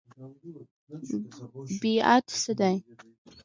بیعت څه دی؟